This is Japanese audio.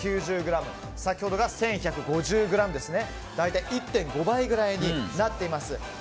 先ほどが１１５０ｇなので大体１．５倍くらいになっています。